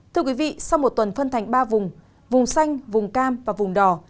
thưa quý vị sau một tuần phân thành ba vùng vùng xanh vùng cam và vùng đỏ